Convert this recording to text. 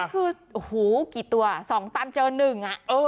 คือโอ้โหกี่ตัว๒ตันเจอ๑อ่ะ